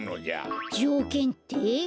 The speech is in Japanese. じょうけんって？